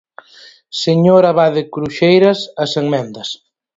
Señor Abade Cruxeiras, as emendas.